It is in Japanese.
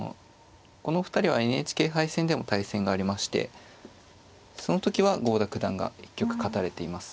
このお二人はＮＨＫ杯戦でも対戦がありましてその時は郷田九段が１局勝たれています。